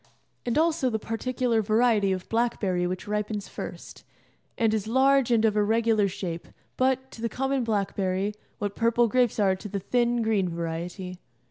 And also the particular variety of blackberry which ripens first, and is large and of irregular shape, but, to the common blackberry, what purple grapes are to the thin, green variety.